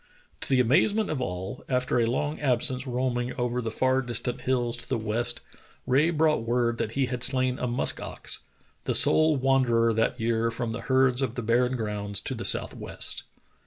To the am.azement of all, after a long absence roam ing over the far distant hills to the west, Rae brought Dr. Rae and the Franklin Mystery 143 word that he had slain a musk ox — the sole wanderer that year from the herds of the barren grounds to the southwest.